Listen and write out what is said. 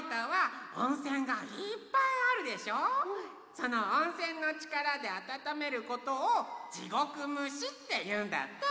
その温泉のちからであたためることを地獄蒸しっていうんだって。